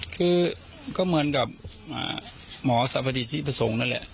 คือก็เหมือนกับหมอสรรพดีที่ประสงค์นั่นแหละ